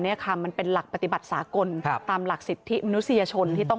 เนี่ยค่ะมันเป็นหลักปฏิบัติสากลตามหลักสิทธิมนุษยชนที่ต้อง